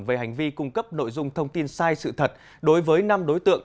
về hành vi cung cấp nội dung thông tin sai sự thật đối với năm đối tượng